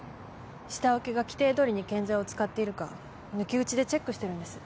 下請けが規定通りに建材を使っているか抜き打ちでチェックしてるんです。